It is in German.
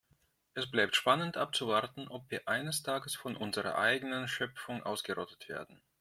Es bleibt spannend abzuwarten, ob wir eines Tages von unserer eigenen Schöpfung ausgerottet werden.